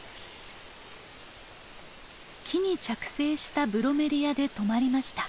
木に着生したブロメリアで止まりました。